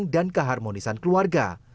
penunjang dan keharmonisan keluarga